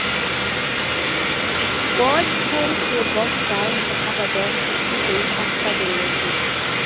Both tanks were bogged down and abandoned a few days after the landing.